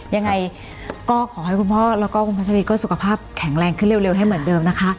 ยังไงก็ขอให้คุณพ่อแล้วก็คุณพัชรีก็สุขภาพแข็งแรงขึ้นเร็วให้เหมือนเดิมนะคะ